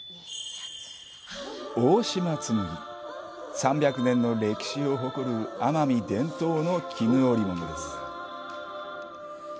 ３００年の歴史を誇る奄美伝統の絹織物です。